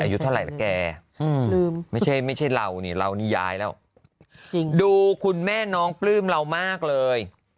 อายุเท่าไหร่ละแกไม่ใช่ไม่ใช่เรานี่เรานี่ย้ายแล้วดูคุณแม่น้องปลื้มเรามากเลย